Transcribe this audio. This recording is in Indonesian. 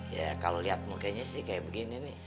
ya kalau liat mukanya sih kayak begini nih